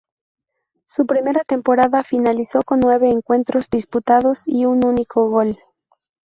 Su primera temporada finalizó con nueve encuentros disputados y un único gol.